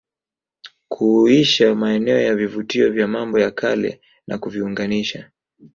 kuhuisha maeneo ya vivutio vya mambo ya Kale na kuviunganisha